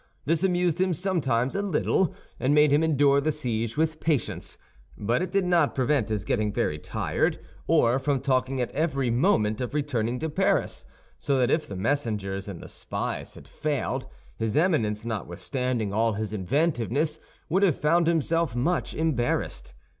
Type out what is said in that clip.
This amused him sometimes a little, and made him endure the siege with patience; but it did not prevent his getting very tired, or from talking at every moment of returning to Paris—so that if the messengers and the spies had failed, his Eminence, notwithstanding all his inventiveness, would have found himself much embarrassed.